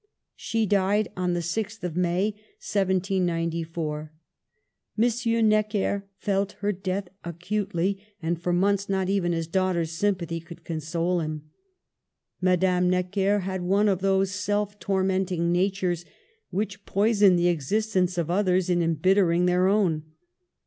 She died on 6th May, 1794. M. Necker felt her death acutely, and for months not even his daughter's sympathy could console him. Madame Necker had one of those self tormenting natures which poison the existence of others in embittering their own.